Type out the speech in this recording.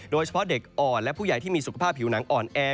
โดยเฉพาะเด็กอ่อนและผู้ใหญ่ที่มีสุขภาพผิวหนังอ่อนแอ